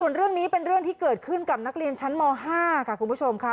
ส่วนเรื่องนี้เป็นเรื่องที่เกิดขึ้นกับนักเรียนชั้นม๕ค่ะคุณผู้ชมค่ะ